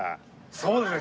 そうですね。